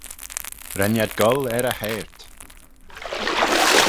Ren ad goll er e heiyrt.